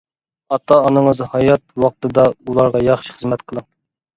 ئاتا-ئانىڭىز ھايات ۋاقتىدا ئۇلارغا ياخشى خىزمەت قىلىڭ!